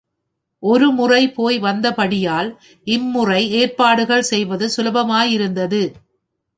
ஒரு முறை போய் வந்தபடியால் இம்முறை ஏற்பாடுகள் செய்வது சுலபமாயிருந்தது.